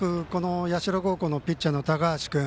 社高校ピッチャーの高橋君。